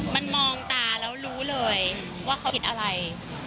มันมองตาแล้วรู้เลยว่าเขาคิดอะไร